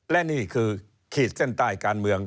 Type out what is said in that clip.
และนี่คือขีดเส้นใต้การเมือง